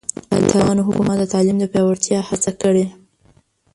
د طالبانو حکومت د تعلیم د پیاوړتیا هڅه کړې.